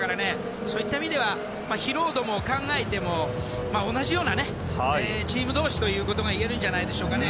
そういった意味では疲労度も考えても同じようなチーム同士ということがいえるんじゃないでしょうかね。